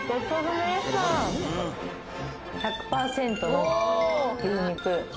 １００％の牛肉。